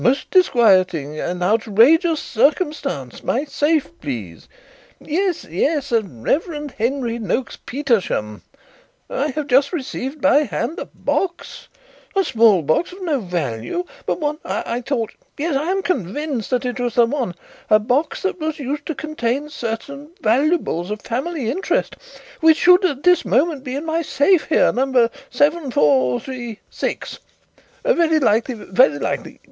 "A most disquieting and and outrageous circumstance. My safe, please yes, yes, Rev. Henry Noakes Petersham. I have just received by hand a box, a small box of no value but one that I thought, yes, I am convinced that it was the one, a box that was used to contain certain valuables of family interest which should at this moment be in my safe here. No. 7436? Very likely, very likely.